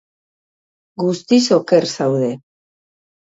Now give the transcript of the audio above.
Guztiz oker zaude.